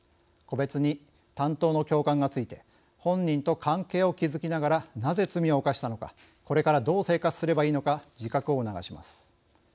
個別に担当の教官がついて本人と関係を築きながらなぜ罪を犯したのかこれからどう生活すればいいのか自覚を促します。